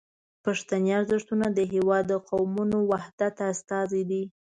پښتني ارزښتونه د هیواد د قومونو وحدت استازي دي.